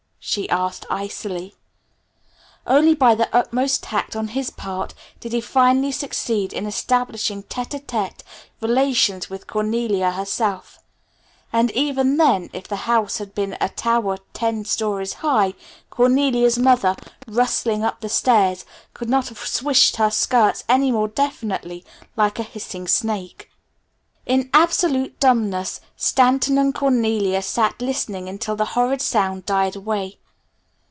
she asked icily. Only by the utmost tact on his part did he finally succeed in establishing tête à tête relations with Cornelia herself; and even then if the house had been a tower ten stories high, Cornelia's mother, rustling up the stairs, could not have swished her skirts any more definitely like a hissing snake. In absolute dumbness Stanton and Cornelia sat listening until the horrid sound died away.